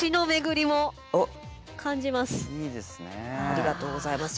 ありがとうございます。